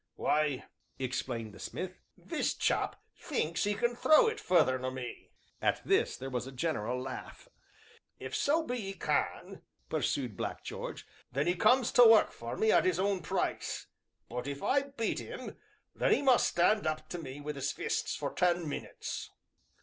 "Why," explained the smith, "this chap thinks 'e can throw it further nor me." At this there was a general laugh. "If so be 'e can," pursued Black George, "then 'e comes to work for me at 'is own price, but if I beat 'im, then 'e must stand up to me wi' 'is fists for ten minutes."